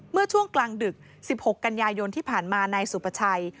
เมื่อช่วงกลางดึก๑๖กันยายนที่ผ่านมานายสุประชัย